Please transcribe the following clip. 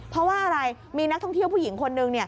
เพราะว่าอะไรมีนักท่องเที่ยวผู้หญิงคนนึง